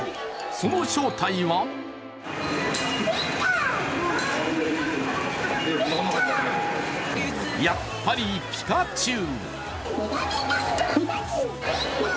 その正体はやっぱりピカチュウ！